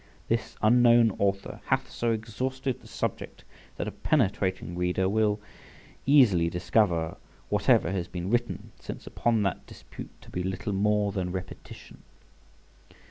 This unknown author hath so exhausted the subject, that a penetrating reader will easily discover whatever has been written since upon that dispute to be little more than repetition.